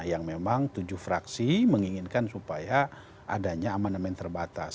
yang memang tujuh fraksi menginginkan supaya adanya amandemen terbatas